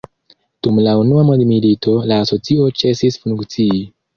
Dum la Unua Mondmilito la Asocio ĉesis funkcii.